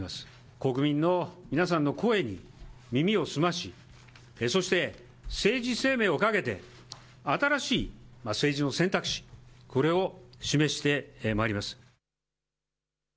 国民の皆さんの声に耳を澄まし、そして、政治生命をかけて、新しい政治の選択肢、これを示してまいります。